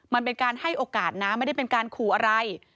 มันเป็นการให้โอกาสนะไม่ได้เป็นการขู่อะไร